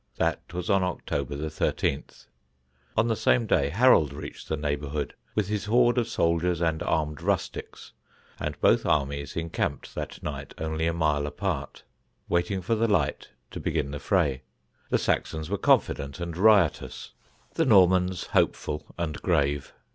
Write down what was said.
That was on October 13. On the same day Harold reached the neighbourhood, with his horde of soldiers and armed rustics, and both armies encamped that night only a mile apart, waiting for the light to begin the fray. The Saxons were confident and riotous; the Normans hopeful and grave.